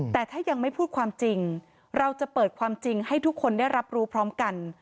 แต่ถ้ายังไม่พูดความจริงเราจะเปิดความจริงให้ทุกคนได้รับรู้พร้อมกัน